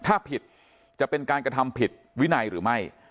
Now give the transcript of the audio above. ถ้าผิดจะเป็นการกระทำผิดวินัยหรือไม่